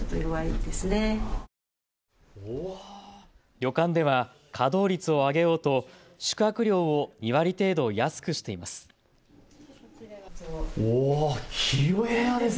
旅館では稼働率を上げようと宿泊料を２割程度安くしています。